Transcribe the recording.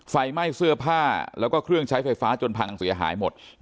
ไฟไหม้เสื้อผ้าแล้วก็เครื่องใช้ไฟฟ้าจนพังเสียหายหมด